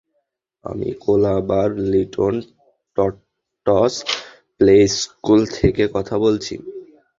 আমি কোলাবার little tots playschool থেকে কথা বলছি।